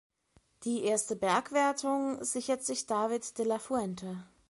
Die erste Bergwertung sichert sich David de la Fuente.